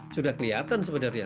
sudah kelihatan sebenarnya